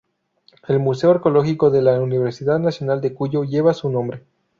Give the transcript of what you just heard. El Museo Arqueológico de la Universidad Nacional de Cuyo lleva su nombre.